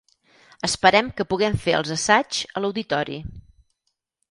Esperem que puguem fer els assaigs a l'auditori.